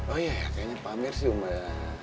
oh ya kayaknya pak amir sih umat